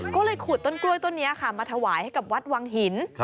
ก็เลยขุดต้นกล้วยต้นนี้ค่ะมาถวายให้กับวัดวังหิน